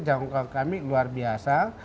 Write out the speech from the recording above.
jangka kami luar biasa